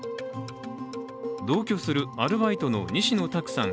同居するアルバイトの西野太九さん